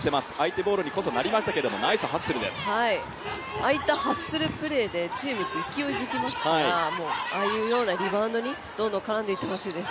ああいったハッスルプレーでチームって勢いづきますからああいうようなリバウンドにどんどん絡んでいってほしいです。